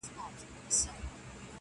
په زېور د علم و پوهي یې سینګار کړﺉ-